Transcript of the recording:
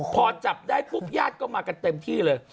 พอจับได้ปุ๊บญาติก็มากันเต็มที่เลย